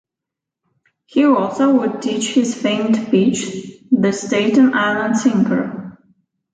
He also would teach his famed pitch, "The Staten Island Sinker".